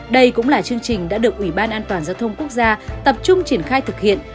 đây cũng là chương trình đã được ủy ban an toàn giao thông quốc gia tập trung triển khai thực hiện